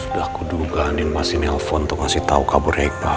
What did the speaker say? sudah kuduga anil mas ini telfon untuk ngasih tau kaburnya iqbal